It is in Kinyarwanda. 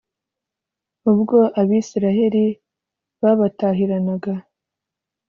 ubwo Abayisraheli babatahiranaga,